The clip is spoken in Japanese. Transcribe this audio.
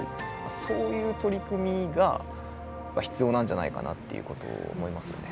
そういう取り組みが必要なんじゃないかなっていうことを思いますよね。